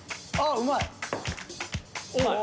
うまいわ！